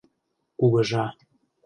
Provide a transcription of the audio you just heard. Кугыжа